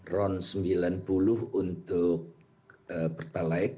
ron sembilan puluh untuk pertalite